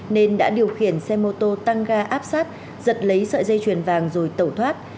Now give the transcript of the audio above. nên đã điều khiển xe mô tô tăng ga áp sát giật lấy sợi dây chuyền vàng rồi tẩu thoát